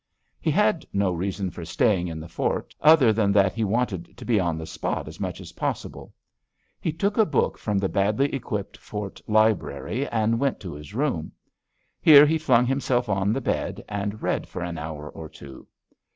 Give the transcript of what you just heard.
He had no reason for staying in the fort, other than that he wanted to be on the spot as much as possible. He took a book from the badly equipped fort library, and went to his room. Here he flung himself on the bed, and read for an hour or two.